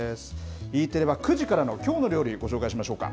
Ｅテレは、９時からのきょうの料理、ご紹介しましょうか。